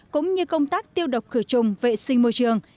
cũng như công tác tiêu độc khử trùng vệ sinh môi trường